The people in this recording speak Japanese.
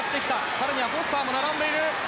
更にはフォスターも並んでいる。